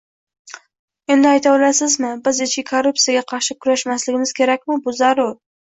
Endi ayta olasizmi, biz ichki korruptsiyaga qarshi kurashmasligimiz kerakmi? Bu zarur